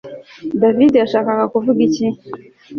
David yashakaga kuvuga iki